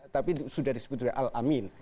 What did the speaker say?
tapi sudah disebut juga al amin